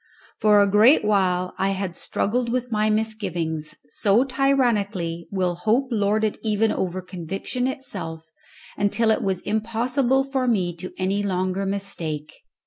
For a great while I had struggled with my misgivings, so tyrannically will hope lord it even over conviction itself, until it was impossible for me to any longer mistake.